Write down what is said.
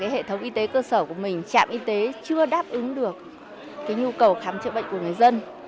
hệ thống y tế cơ sở của mình trạm y tế chưa đáp ứng được nhu cầu khám chữa bệnh của người dân